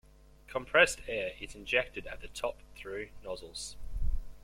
Compressed air is injected at the top through nozzles.